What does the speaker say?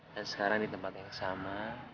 dan sekarang di tempat yang sama